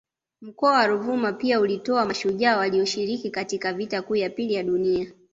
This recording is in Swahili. Mkoa wa Ruvuma pia ulitoa mashujaa walioshiriki katika Vita kuu ya pili ya Dunia